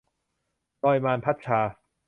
รอยมาร - พัดชา